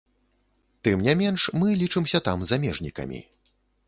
Тым не менш, мы лічымся там замежнікамі.